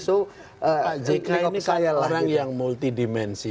pak jika ini orang yang multidimensi